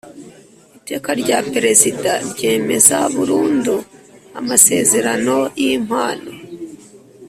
Iteka rya Perezida ryemeza burundu amasezerano y impano